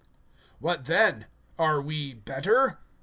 (9)What then? Are we better?